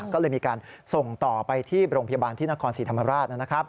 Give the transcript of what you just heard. ก็เลยมีการส่งต่อไปที่โรงพยาบาลที่นครศรีธรรมราช